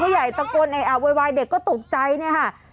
ใหญ่ตะโกนเออะโวยวายเด็กก็ตกใจเนี่ยค่ะ